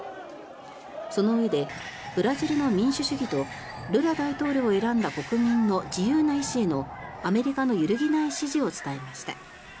そのうえでブラジルの民主主義とルラ大統領を選んだ国民の自由な意思へのアメリカの揺るぎない支持を伝えました。